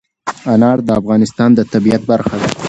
انار د افغانستان د طبیعت برخه ده.